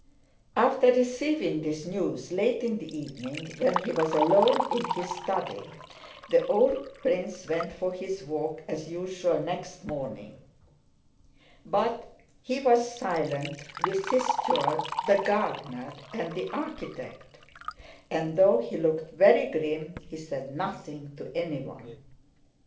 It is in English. After receiving this news late in the evening, when he was alone in his study, the old prince went for his walk as usual next morning, but he was silent with his steward, the gardener, and the architect, and though he looked very grim he said nothing to anyone.